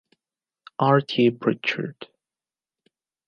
R. T. Pritchard.